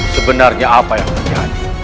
sebenarnya apa yang terjadi